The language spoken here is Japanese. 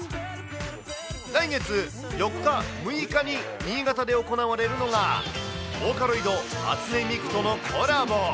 来月４日、６日に新潟で行われるのが、ボーカロイド、初音ミクとのコラボ。